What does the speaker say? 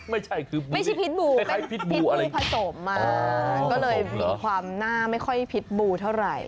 ไม่ใช่คือไม่ใช่พิษบูคล้ายพิษบูอะไรผสมมาก็เลยมีความหน้าไม่ค่อยพิษบูเท่าไหร่